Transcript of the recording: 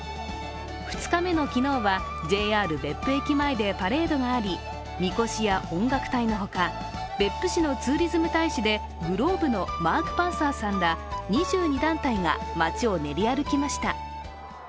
２日目の昨日はＪＲ別府駅前でパレードがありみこしや音楽隊のほか、別府市のツーリズム大使でｇｌｏｂｅのマーク・パンサーさんら２２団体が街を練り歩きました。